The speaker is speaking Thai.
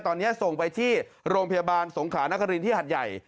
ตอนนี้ส่งไปที่โรงพยาบาลสงขานครินที่หัดใหญ่